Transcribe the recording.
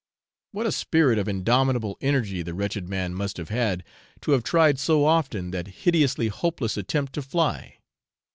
What a spirit of indomitable energy the wretched man must have had to have tried so often that hideously hopeless attempt to fly!